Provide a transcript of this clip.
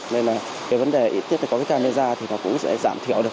nên là cái vấn đề ít tiết là có cái camera thì nó cũng sẽ giảm thiểu được